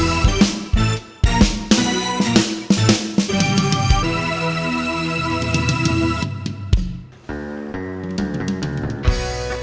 masih ada yang mau berbicara